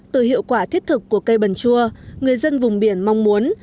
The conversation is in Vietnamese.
từ hiệu quả thiết thực của cây bần chua người dân vùng biển mong muốn